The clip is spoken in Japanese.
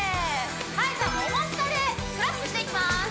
はいじゃあモモ下でクラップしていきます